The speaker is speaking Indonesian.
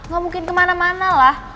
gak mungkin kemana mana lah